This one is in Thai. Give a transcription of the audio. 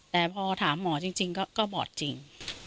แต่พอถามหมอจริงก็บอดจริง